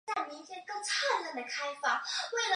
首次登场于探险活宝。